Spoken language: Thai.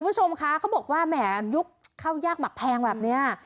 คุณผู้ชมคะเขาบอกว่าแหมยุคข้าวยากหมักแพงแบบนี้